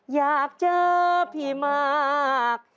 อยากเจอพี่มาก